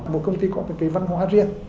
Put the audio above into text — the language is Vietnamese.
một công ty có văn hóa riêng